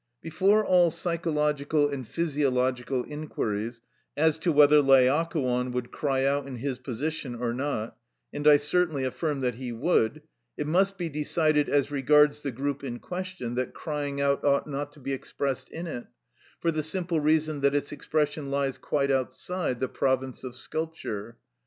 Before all psychological and physiological inquiries as to whether Laocoon would cry out in his position or not (and I certainly affirm that he would), it must be decided as regards the group in question, that crying out ought not to be expressed in it, for the simple reason that its expression lies quite outside the province of sculpture.